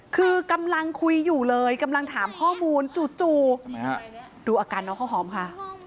คือกำลังคุยอยู่เลยกำลังถามข้อมูลจู่ดูอาการน้องข้าวหอมค่ะ